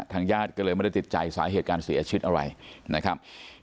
ญาติก็เลยไม่ได้ติดใจสาเหตุการเสียชีวิตอะไรนะครับ